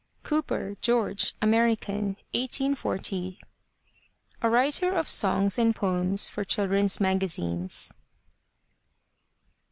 COOPER, GEORGE (American, 1840 ?) A writer of songs and poems for children's magazines.